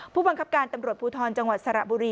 ผู้บังคับการตำรวจภูทรจังหวัดสระบุรี